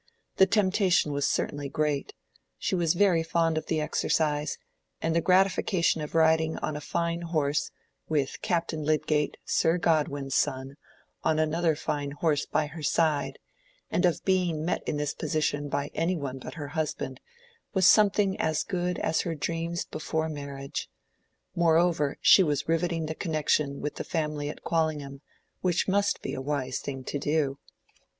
The temptation was certainly great: she was very fond of the exercise, and the gratification of riding on a fine horse, with Captain Lydgate, Sir Godwin's son, on another fine horse by her side, and of being met in this position by any one but her husband, was something as good as her dreams before marriage: moreover she was riveting the connection with the family at Quallingham, which must be a wise thing to do.